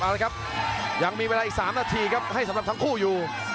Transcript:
เอาละครับยังมีเวลาอีก๓นาทีครับให้สำหรับทั้งคู่อยู่